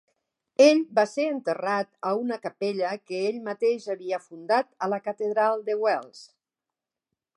Ell va ser enterrat a una capella que ell mateix havia fundat a la Catedral de Wells.